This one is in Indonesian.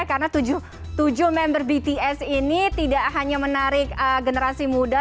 karena tujuh member bts ini tidak hanya menarik generasi muda